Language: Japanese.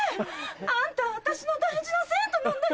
あんたは私の大事な生徒なんだよ。